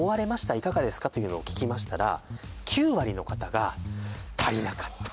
「いかがですか？」というのを聞きましたら９割の方が「足りなかった」